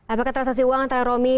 apakah transaksi uang antara romi